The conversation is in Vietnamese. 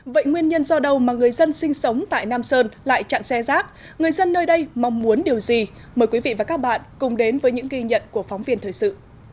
vậy nguyên nhân do đâu mà người dân sinh sống tại nam sơn lại chặn xe rác người dân nơi đây mong muốn điều gì mời quý vị và các bạn cùng đến với những ghi nhận của phóng viên thời sự